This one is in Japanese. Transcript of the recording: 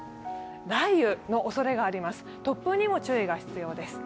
雷雨のおそれがあります、突風にも注意が必要です。